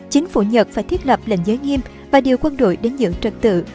chính phủ nhật phải thiết lập lệnh giới nghiêm và điều quân đội đến giữ trật tự